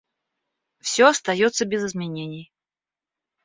Все остается без изменений.